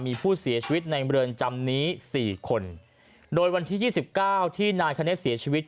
มีผู้เสียชีวิตในเมืองจำนี้๔คนโดยวันที่๒๙ที่นายคณะเสียชีวิต